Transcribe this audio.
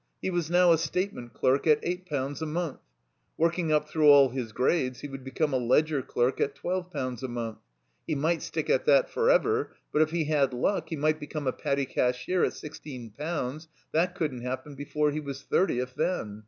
He was now a statement clerk at eight poimds a month. Working up through all his grades, he would become a ledger clerk at twelve pounds a month. He might stick at that forever, but if he had luck he might become a petty cashier at sixteen poimds. That couldn't happen before he was thirty, if then.